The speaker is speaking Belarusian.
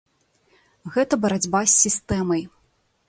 Гэта барацьба з сістэмай.